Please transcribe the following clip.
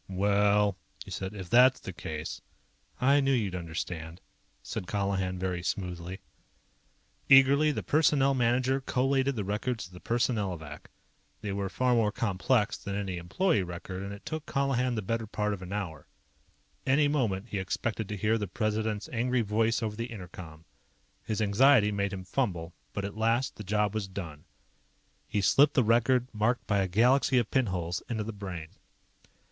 "Well ..." he said. "If that's the case " "I knew you'd understand," said Colihan very smoothly. Eagerly, the Personnel Manager collated the records of the Personnelovac. They were far more complex than any employee record, and it took Colihan the better part of an hour. Any moment he expected to hear the President's angry voice over the inter com. His anxiety made him fumble, but at last, the job was done. He slipped the record, marked by a galaxy of pinholes, into the Brain.